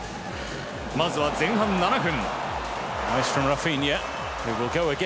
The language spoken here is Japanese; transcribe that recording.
まずは前半７分。